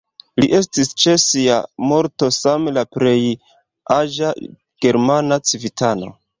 Li estis ĉe sia morto same la plej aĝa germana civitano.